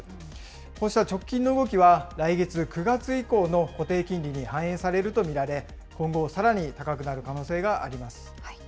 こうした直近の動きは来月・９月以降の固定金利に反映されると見られ、今後、さらに高くなる可能性があります。